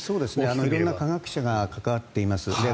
色んな科学者が関わっています。